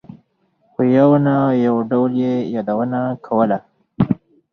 په یوه نه یو ډول یې یادونه کوله.